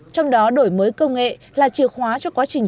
trong đó đổi mới công nghệ là chìa khóa cho quá trình